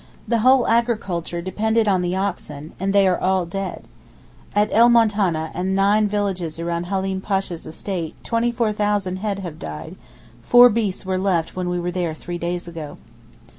The whole agriculture depended on the oxen, and they are all dead. At El Moutaneh and the nine villages round Halim Pasha's estate 24,000 head have died; four beasts were left when we were there three days ago.